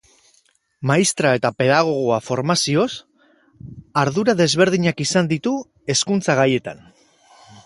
Maistra eta pedagogoa formazioz, ardura desberdinak izan ditu hezkuntza gaietan.